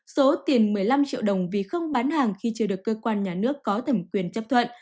số tiền một mươi năm triệu đồng vì không bán hàng khi chưa được cơ quan nhà nước có thẩm quyền chấp thuận